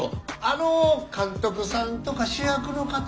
あの監督さんとか主役の方。